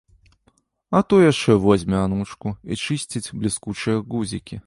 А то яшчэ возьме анучку і чысціць бліскучыя гузікі.